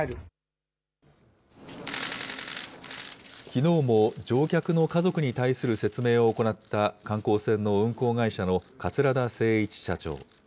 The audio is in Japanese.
きのうも乗客の家族に対する説明を行った、観光船の運航会社の桂田精一社長。